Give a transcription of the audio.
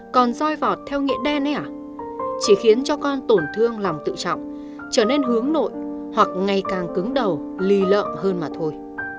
còn doi vọt theo nghĩa đen ấy à chỉ khiến cho con tổn thương lòng tự trọng trở nên hướng nội hoặc ngày càng cứng đầu lì lợm hơn mà thôi